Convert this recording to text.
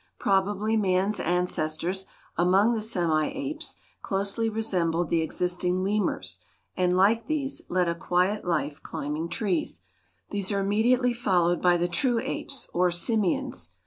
Probably man's ancestors among the semi apes closely resembled the existing lemurs, and, like these, led a quiet life climbing trees. These are immediately followed by the true apes, or simians.